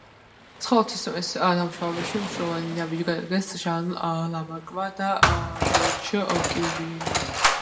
ცხოველთა სისტემის დამუშავებაში მნიშვნელოვანი ნაბიჯი გადადგეს ჟან ლამარკმა და ჟორჟ კიუვიემ.